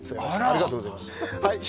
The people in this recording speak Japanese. ありがとうございます